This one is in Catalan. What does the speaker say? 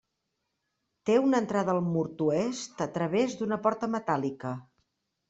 Té una entrada al mur oest a través d'una porta metàl·lica.